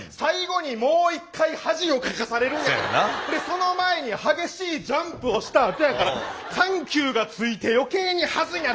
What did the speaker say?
その前に激しいジャンプをしたあとやから緩急がついて余計にハズいんや。